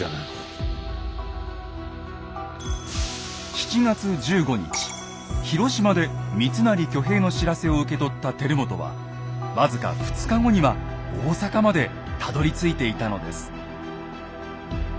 ７月１５日広島で三成挙兵の知らせを受け取った輝元は僅か２日後には大坂までたどりついていたのです。